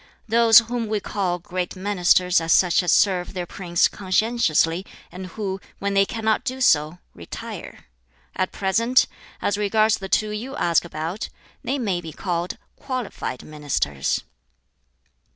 Those whom we call 'great ministers' are such as serve their prince conscientiously, and who, when they cannot do so, retire. At present, as regards the two you ask about, they may be called 'qualified ministers.'"